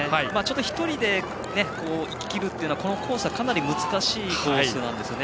１人で行ききるというのはこのコースではかなり難しいんですよね。